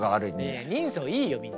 いや人相いいよみんな。